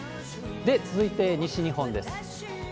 で、続いて西日本です。